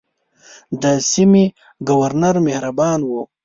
د سیمې ګورنر مهربان وو.